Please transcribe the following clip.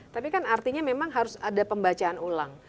tapi kan artinya memang harus ada pembacaan ulang